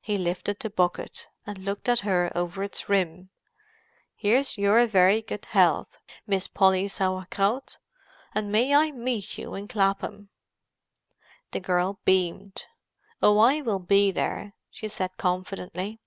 He lifted the bucket, and looked at her over its rim. "Here's your very good health, Miss Polly Sauer Kraut, and may I meet you in Clapham!" The girl beamed. "Oh, I will be there," she said confidently.